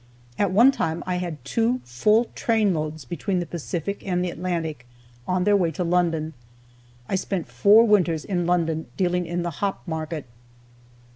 At one time I had two full trainloads between the Pacific and the Atlantic, on their way to London. I spent four winters in London dealing in the hop market.